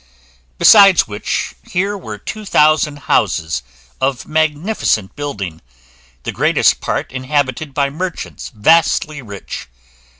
Besides which, here were two thousand houses of magnificent building, the greatest part inhabited by merchants vastly rich.